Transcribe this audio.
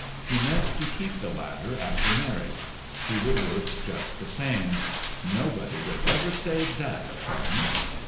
He meant to keep the latter after marriage. He would work just the same. Nobody should ever say that of him